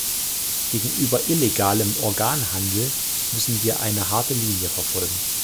Gegenüber illegalem Organhandel müssen wir eine harte Linie verfolgen.